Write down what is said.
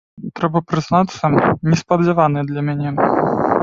Трэба прызнацца, неспадзяваны для мяне.